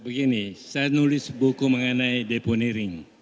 begini saya nulis buku mengenai deponiring